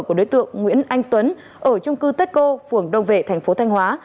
của đối tượng nguyễn anh tuấn ở trung cư tết cô phường đông vệ thành phố thanh hóa